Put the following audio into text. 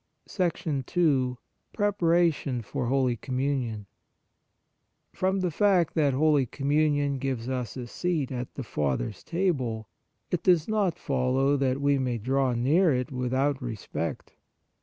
II Preparation for Holy Communion From the fact that Holy Com munion gives us a seat at a father s table, it does not follow that we may draw near it without respect.